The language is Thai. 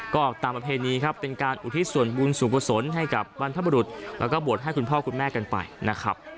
ก็ตามประเพณีครับเป็นการอุทิศส่วนบุญสุขุศลให้กับบรรพบรุษแล้วก็บวชให้คุณพ่อคุณแม่กันไปนะครับ